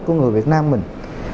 của người việt nam mình